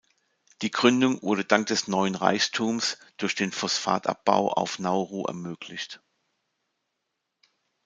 Die Gründung wurde dank des neuen Reichtums durch den Phosphatabbau auf Nauru ermöglicht.